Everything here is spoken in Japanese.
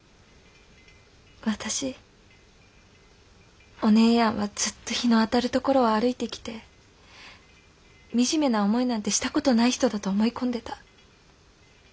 私お姉やんはずっと日の当たるところを歩いてきて惨めな思いなんてした事ない人だと思い込んでた。